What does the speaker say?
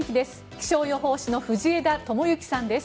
気象予報士の藤枝知行さんです。